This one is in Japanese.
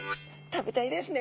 食べたいですね。